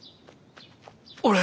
俺。